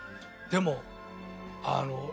でもあの。